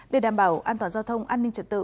để đảm bảo an toàn giao thông an ninh trật tự